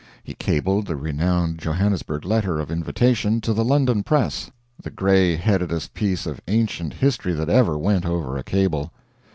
He cabled the renowned Johannesburg letter of invitation to the London press the gray headedest piece of ancient history that ever went over a cable.